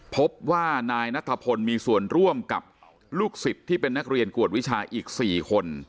พบว่านายนัทพลมีส่วนร่วมกับลูกศิษย์ที่เป็นนักเรียนกวดวิชาอีก๔คน